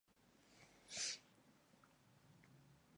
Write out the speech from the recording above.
Por principios deciden no contraer matrimonio.